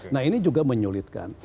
nah ini juga menyulitkan